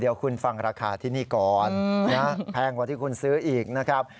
เดี๋ยวคุณฟังราคาที่นี่ก่อนนะแพงกว่าที่คุณซื้ออีกนะครับ